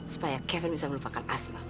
supaya kevin bisa melupakan asma